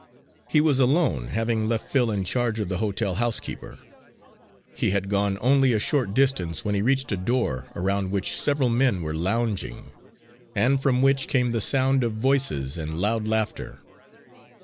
He was alone, having left Phil in charge of the hotel housekeeper. He had gone only a short distance when he reached a door around which several men were lounging, and from which came the sound of voices and loud laughter.